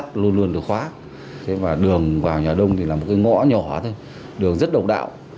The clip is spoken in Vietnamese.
đường vào nhà đông là một ngõ nhỏ thôi đường rất độc đạo